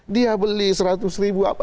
dia beli seratus ribu apa